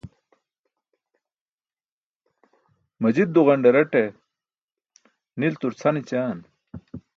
Majit duġanḍaraṭe niltur cʰan ećaan.